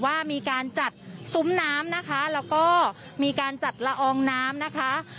ว่ามีการจัดซุ้มน้ำนะคะแล้วก็มีการจัดละอองน้ำนะคะ